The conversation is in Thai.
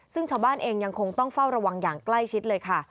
ซึ่งชาวบ้านเองยังคงต้องเฝ้าระวังอย่างใกล้ชิดเลยค่ะ